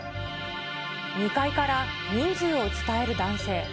２階から人数を伝える男性。